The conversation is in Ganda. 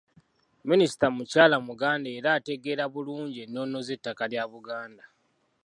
Minisita mukyala Muganda era ategeera bulungi ennono z’ettaka lya Buganda.